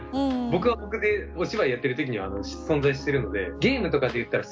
僕は僕でお芝居やってる時には存在してるので。